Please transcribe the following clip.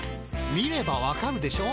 見ればわかるでしょう。